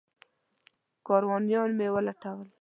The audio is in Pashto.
کاروانیان مې ولټول.